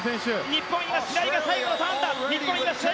日本、今白井が最後のターンだ。